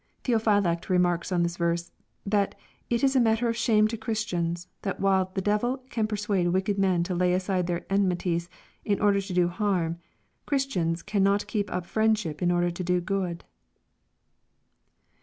Thoophylact remarks on this verse, that " It is matter of shams to Christians, that while the devil can persuade wicked men to lay aside their enmities, in order to do harm, Christians cannot ^"«r: keep up fi iendship in order to do good."